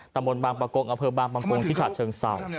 ตำรวจบางประโกงอาเฟิร์มบางประโกงที่ชาติเชิงเศร้า